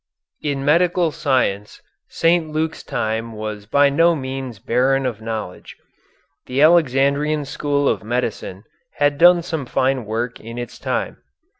In medical science, St. Luke's time was by no means barren of knowledge. The Alexandrian school of medicine had done some fine work in its time.